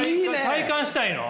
体感したいの？